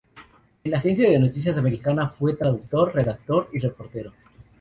En la agencia de noticias americana fue traductor, redactor, y reportero.